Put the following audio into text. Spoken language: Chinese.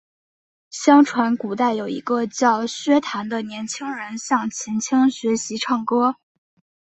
相传古代有一个名叫薛谭的年轻人向秦青学习唱歌。